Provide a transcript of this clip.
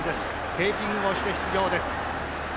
テーピングをして出場です。